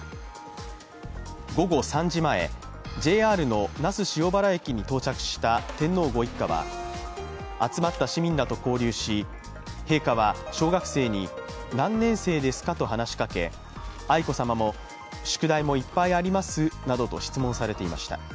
午後３時前、ＪＲの那須塩原駅に到着した天皇ご一家は集まった市民らと交流し、陛下は小学生に何年生ですか？と話しかけ愛子さまも宿題もいっぱいあります？などと質問されていました。